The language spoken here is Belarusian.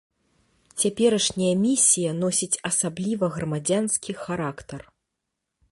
Цяперашняя місія носіць асабліва грамадзянскі характар.